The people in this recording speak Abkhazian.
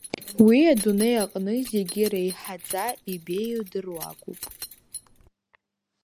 Уи адунеи аҟны зегьы реиҳаӡа ибеиу дыруакуп.